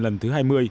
lần thứ hai mươi